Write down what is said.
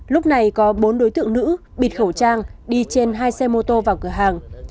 lúc này có bốn đối tượng nữ bịt khẩu trang đi trên hai xe mô tô vào cửa hàng